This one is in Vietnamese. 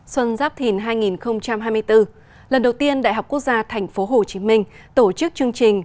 xuân giáp thìn hai nghìn hai mươi bốn lần đầu tiên đại học quốc gia tp hcm tổ chức chương trình